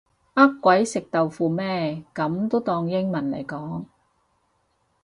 呃鬼食豆腐咩噉都當英文嚟講